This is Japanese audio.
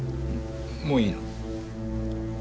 もういいの？